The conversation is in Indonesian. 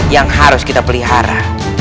yang harus kita pelihara